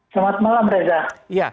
selamat malam reza